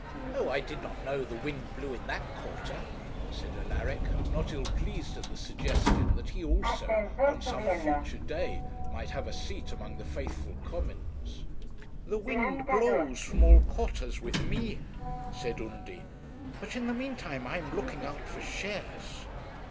'Oh! I did not know the wind blew in that quarter,' said Alaric, not ill pleased at the suggestion that he also, on some future day, might have a seat among the faithful Commons. 'The wind blows from all quarters with me,' said Undy; 'but in the meantime I am looking out for shares.'